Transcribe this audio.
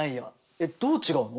えっどう違うの？